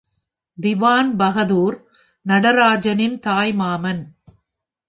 திவான்பகதூர் நடராஜனின் தாய் மாமன்.